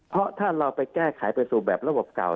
เพราะถ้าเราไปแก้ไขไปสู่แบบระบบเก่า